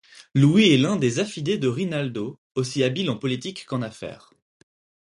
Louis est l'un des affidés de Rinaldo, aussi habile en politique qu'en affaires.